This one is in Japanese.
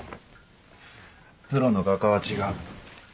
プロの画家は違う。